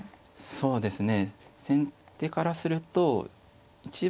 そうですね。